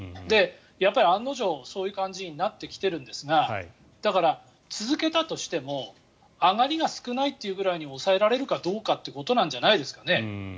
やっぱり案の定、そういう感じになってきているんですがだから、続けたとしても上がりが少ないというぐらいに抑えられるかどうかということなんじゃないですかね。